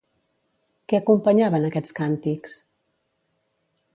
Què acompanyaven aquests càntics?